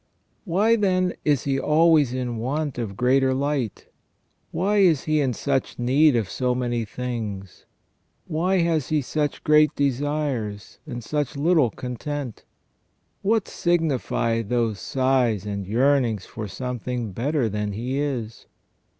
Why, then, is he always in want of greater light ? Why is he in such need of so many things? Why has he such great desires and such little content? What signify those sighs and yearnings for something better than he is